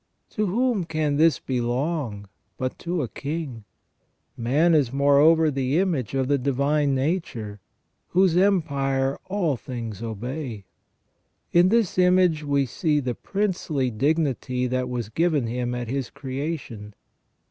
To whom can this belong but to a king ? Man is more over the image of the Divine Nature, whose empire all things obey. In this image we see the princely dignity that was given him at his creation.